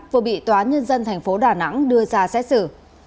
vừa bị tòa nhân dân tp đà nẵng đưa ra xét xử